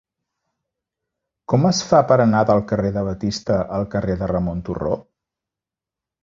Com es fa per anar del carrer de Batista al carrer de Ramon Turró?